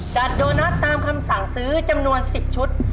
โดนัทตามคำสั่งซื้อจำนวน๑๐ชุด